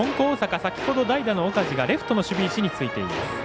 大阪先ほど代打の岡治がレフトの守備位置についています。